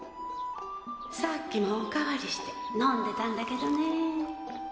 さっきもお代わりして飲んでたんだけどね。